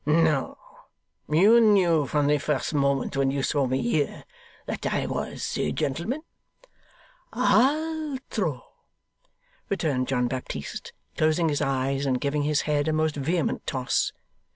'No! You knew from the first moment when you saw me here, that I was a gentleman?' 'ALTRO!' returned John Baptist, closing his eyes and giving his head a most vehement toss.